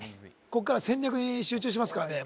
ここから戦略に集中しますからね